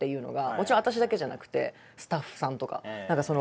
もちろん私だけじゃなくてスタッフさんとか。